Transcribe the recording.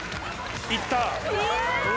行ったお。